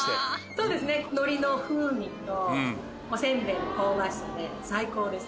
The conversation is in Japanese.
そうですね海苔の風味とおせんべいの香ばしさで最高です。